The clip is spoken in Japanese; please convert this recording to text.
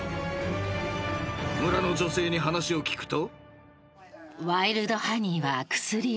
［村の女性に話を聞くと］